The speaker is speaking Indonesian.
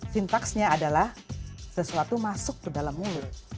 sintaksnya adalah sesuatu masuk ke dalam mulut